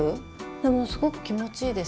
でもすごく気持ちいいです。